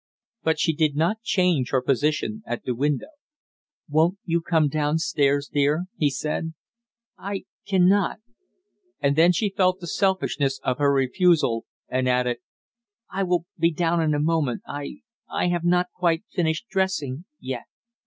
But she did not change her position at the window. "Won't you come down stairs, dear?" he said. "I can not " and then she felt the selfishness of her refusal, and added: "I will be down in a moment, I I have not quite finished dressing yet!"